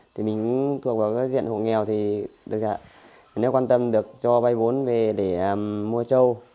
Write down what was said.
thì mình cũng thuộc vào cái diện hộ nghèo thì thực ra nhà nước quan tâm được cho vay vốn về để mua trâu